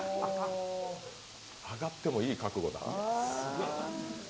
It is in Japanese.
揚がってもいい覚悟だな。